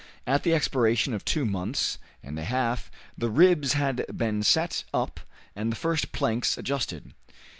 At the expiration of two months and a half the ribs had been set up and the first planks adjusted.